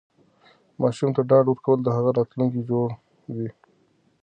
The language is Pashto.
ماشوم ته ډاډ ورکول د هغه راتلونکی جوړوي.